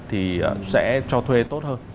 thì sẽ cho thuê tốt hơn